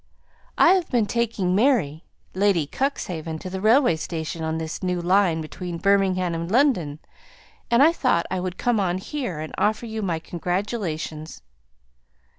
"I have been taking Mary Lady Cuxhaven to the railway station on this new line between Birmingham and London, and I thought I would come on here, and offer you my congratulations.